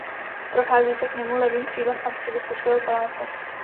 Prochází se k němu levým křídlem Arcibiskupského paláce.